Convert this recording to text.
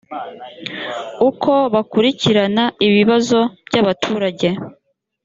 uko bakurikirana ibibazo byabaturage